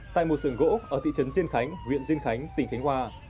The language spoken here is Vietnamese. tại một sườn gỗ ở thị trấn diên khánh huyện diên khánh tỉnh khánh hòa